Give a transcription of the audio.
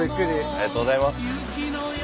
ありがとうございます。